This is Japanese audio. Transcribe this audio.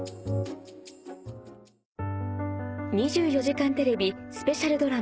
２４時間テレビスペシャルドラマ